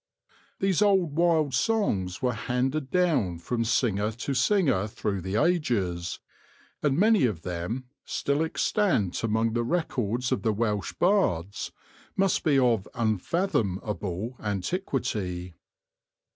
These old wild songs were handed down from singer to singer through the ages, and many of them, still extant among the records of the Welsh bards, must be of unfathomable antiquity.